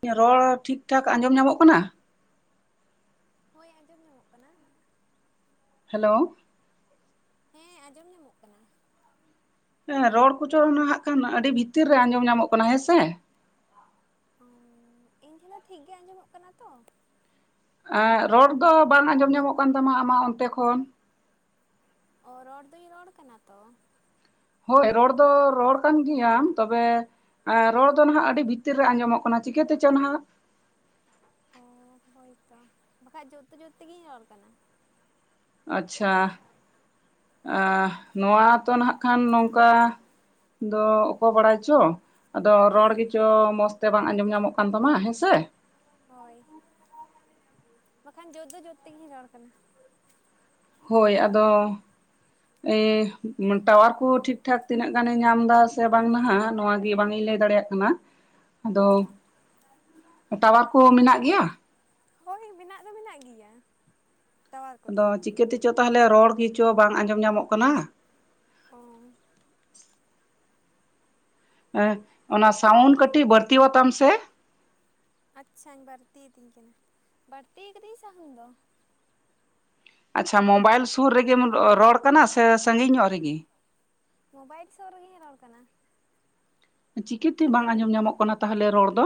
ᱤᱧᱟᱜ ᱨᱚᱲ ᱴᱷᱤᱠ ᱴᱷᱟᱠ ᱟᱸᱡᱚᱢ ᱧᱟᱢᱚᱜ ᱠᱟᱱᱟ ᱦᱳᱭ ᱟᱸᱡᱚᱢ ᱧᱟᱢᱚᱜ ᱠᱟᱱᱟ ᱦᱮᱞᱳ ᱦᱮᱸ ᱟᱸᱡᱚᱢ ᱧᱟᱢᱚᱜ ᱠᱟᱱᱟ ᱦᱮᱸ ᱨᱚᱲ ᱠᱩᱪᱚ ᱦᱟᱜ ᱠᱷᱟᱱ ᱟᱹᱰᱤ ᱵᱷᱤᱛᱤᱨ ᱨᱮ ᱟᱸᱡᱚᱢ ᱧᱟᱢᱚᱜ ᱠᱟᱱᱟ ᱦᱮᱸᱥᱮ ᱚᱻᱤᱧ ᱴᱷᱮᱱ ᱫᱚ ᱴᱷᱤᱠ ᱜᱮ ᱟᱸᱡᱚᱢᱚᱜ ᱠᱟᱱᱟ ᱛᱚ ᱟᱻᱨᱚᱲ ᱫᱚ ᱵᱟᱝ ᱟᱸᱡᱚᱢ ᱧᱟᱢᱚᱜ ᱠᱟᱱ ᱛᱟᱢᱟ ᱟᱢᱟᱜ ᱚᱱᱛᱮ ᱠᱷᱚᱱ ᱚᱻ ᱨᱚᱲ ᱫᱚᱧ ᱨᱚᱲ ᱠᱟᱱᱟ ᱛᱚ ᱦᱳᱭ ᱨᱚᱲ ᱫᱚ ᱨᱚᱲ ᱠᱟᱱ ᱜᱮᱭᱟᱢ ᱛᱚᱵᱮ ᱟᱻᱨᱚᱲ ᱫᱚ ᱱᱟᱦᱟᱜ ᱟᱹᱰᱤ ᱵᱷᱤᱛᱤᱨ ᱨᱮ ᱟᱸᱡᱚᱢᱚᱜ ᱠᱟᱱᱟ ᱪᱤᱠᱟᱹᱛᱮᱪᱚᱝ ᱱᱟᱦᱟᱜ ᱚᱻ ᱦᱳᱭ ᱛᱚ ᱵᱟᱠᱷᱟᱡ ᱡᱳᱨᱛᱮ ᱡᱳᱨᱛᱮ ᱛᱮᱜᱤᱧ ᱨᱚᱲ ᱠᱟᱱᱟ ᱟᱪᱪᱷᱟ ᱱᱚᱣᱟ ᱛᱚ ᱱᱟᱦᱟᱜ ᱠᱷᱟᱱ ᱱᱚᱝᱠᱟ ᱫᱚ ᱚᱠᱚᱭ ᱵᱟᱲᱟᱭ ᱪᱚ ᱟᱫᱚ ᱨᱚᱲ ᱦᱮᱸ ᱜᱮᱪᱚ ᱢᱚᱸᱡᱽ ᱛᱮ ᱵᱟᱝ ᱟᱸᱡᱚᱢ ᱧᱟᱢᱚᱜ ᱠᱟᱱ ᱛᱟᱢᱟ ᱦᱮᱸᱥᱮ ᱦᱳᱭ ᱵᱟᱠᱷᱟᱱ ᱡᱳᱨ ᱫᱚ ᱡᱳᱨ ᱛᱮᱜᱮᱧ ᱨᱚᱲ ᱠᱟᱱᱟ ᱦᱳᱭ ᱟᱫᱚ ᱮ ᱴᱟᱣᱟᱨ ᱠᱩ ᱴᱷᱤᱠ ᱴᱷᱟᱠ ᱛᱤᱱᱟᱹᱜ ᱜᱟᱱᱮ ᱧᱟᱢ ᱮᱫᱟ ᱥᱮ ᱵᱟᱝ ᱱᱟᱦᱟᱜ ᱱᱚᱣᱟ ᱜᱤ ᱵᱟᱝ ᱤᱧ ᱞᱟᱹᱭ ᱫᱟᱲᱮᱭᱟᱜ ᱠᱟᱱᱟ ᱟᱫᱚ ᱚ ᱴᱟᱣᱟᱨ ᱠᱚ ᱢᱮᱱᱟᱜ ᱜᱮᱭᱟ ᱦᱳᱭ ᱢᱮᱱᱟᱜ ᱫᱚ ᱢᱮᱱᱟᱜ ᱜᱮᱭᱟ ᱴᱟᱣᱟᱨ ᱠᱚᱫᱚ ᱟᱫᱚ ᱪᱤᱠᱟᱹᱛᱮᱪᱚ ᱛᱟᱦᱚᱞᱮ ᱨᱚᱲ ᱜᱮᱪᱚ ᱵᱟᱝ ᱟᱸᱡᱚᱢ ᱧᱟᱢᱚᱜ ᱠᱟᱱᱟ ᱚᱸ ᱮᱸ ᱚᱱᱟ ᱥᱟᱹᱩᱱ ᱠᱟᱹᱴᱤᱡ ᱵᱟᱹᱲᱛᱤᱣᱟᱛᱟᱢ ᱥᱮ ᱟᱪᱪᱷᱟᱧ ᱵᱟᱹᱲᱛᱤᱭᱟᱹᱛᱤᱧ ᱠᱟᱱᱟ ᱵᱟᱹᱲᱛᱤ ᱠᱟᱫᱤᱧ ᱥᱟᱦᱩᱱ ᱫᱚ ᱟᱪᱪᱷᱟ ᱢᱳᱵᱟᱭᱤᱞ ᱥᱩᱨ ᱨᱮᱜᱮᱢ ᱨᱚᱲ ᱠᱟᱱᱟ ᱥᱮ ᱥᱟᱺᱜᱤᱧ ᱧᱚᱜ ᱨᱮᱜᱤ ᱢᱳᱵᱟᱭᱤᱞ ᱥᱩᱨ ᱨᱮᱜᱤᱧ ᱨᱚᱲ ᱠᱟᱱᱟ ᱪᱤᱠᱟᱹᱛᱮ ᱵᱟᱝ ᱥᱟᱺᱜᱤᱧ ᱧᱚᱜ ᱟᱸᱡᱚᱢ ᱧᱟᱢᱚᱜ ᱨᱮᱛᱟᱢᱟ ᱠᱟᱱᱟ ᱛᱟᱦᱚᱞᱮ ᱨᱚᱲ ᱫᱚ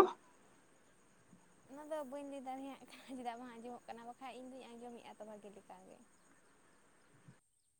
ᱚᱱᱟᱫᱚ ᱵᱟᱹᱧ ᱞᱟᱹᱭ ᱫᱟᱲᱮᱭᱟᱜ ᱠᱟᱱᱟ ᱪᱮᱫᱟᱜ ᱵᱟᱝ ᱟᱸᱡᱚᱢᱚᱜ ᱠᱟᱱᱟ ᱵᱟᱠᱷᱟᱡ ᱤᱧ ᱫᱩᱧ ᱟᱸᱡᱚᱢᱮᱫᱼᱟ ᱛᱚ ᱵᱷᱟᱜᱮ ᱞᱮᱠᱟ ᱜᱮ